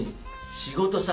仕事さ